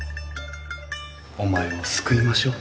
お前を救いましょう。